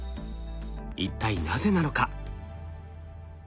一体なぜなのか？